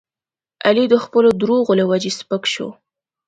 علي د خپلو دروغو له وجې سپک شو.